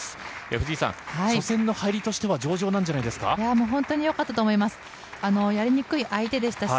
藤井さん、初戦の入りとしては上々なんじゃないですか？